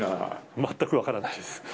全く分からないです。